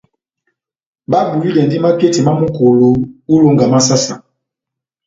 Babulidɛndi maketi má Mukolo ó ilonga má saha-saha.